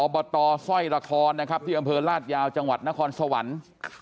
บตสร้อยละครนะครับที่อำเภอลาดยาวจังหวัดนครสวรรค์